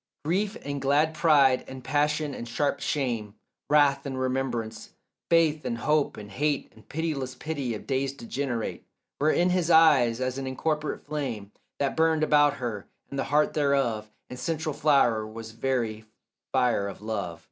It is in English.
Grief and glad pride and passion and sharp shame, Wrath and remembrance, faith and hope and hate And pitiless pity of days degenerate, Were in his eyes as an incorporate flame That burned about her, and the heart thereof And central flower was very fire of love.